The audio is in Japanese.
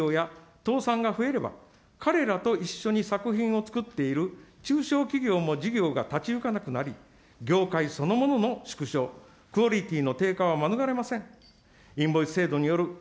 フリーランスや小規模事業者の廃業や、倒産が増えれば、彼らと一緒に作品を作っている中小企業も事業が立ち行かなくなり、業界そのものの縮小、クオリティーの低下は免れません。